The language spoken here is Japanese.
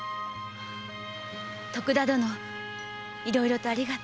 徳田殿いろいろとありがとう。